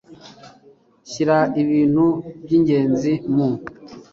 Shyira ibintu by ingenzi mu